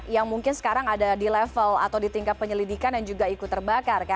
yang mungkin sekarang ada di level atau di tingkat penyelidikan yang juga ikut terbakar